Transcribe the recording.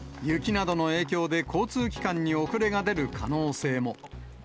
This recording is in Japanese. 雪などの影響で、交通機関に遅れが出る可能性も。